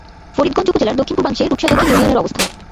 ফরিদগঞ্জ উপজেলার দক্ষিণ-পূর্বাংশে রূপসা দক্ষিণ ইউনিয়নের অবস্থান।